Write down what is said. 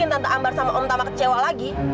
kamu bikin tante ambar sama om tama kecewa lagi